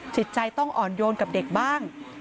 จิตใจต้องอ่อนโยนกับเด็กบ้าง